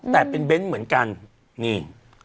แต่เป็นเบ้นเหมือนกันนี่